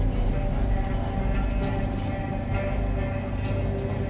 ไว้มาไว้มา